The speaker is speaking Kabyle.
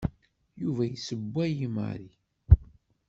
Yuba yessewway i Mary.